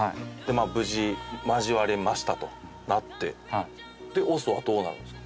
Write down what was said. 無事交われましたとなってオスはどうなるんですか？